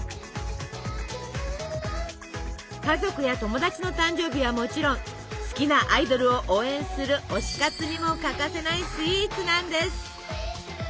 家族や友達の誕生日はもちろん好きなアイドルを応援する推し活にも欠かせないスイーツなんです！